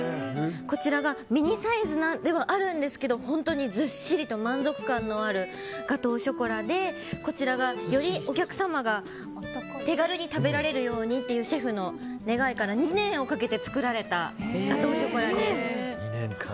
こちらがミニサイズではあるんですけど本当にずっしりと満足感のあるガトーショコラでよりお客様が手軽に食べられるようにとシェフの願いから２年をかけて作られたガトーショコラです。